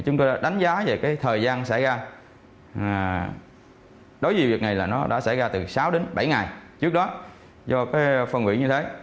nạn nhân xảy ra đối với việc này là nó đã xảy ra từ sáu đến bảy ngày trước đó do cái phân quỷ như thế